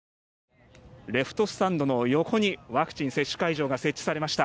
レフトスタンドの横にワクチン接種会場が設置されました。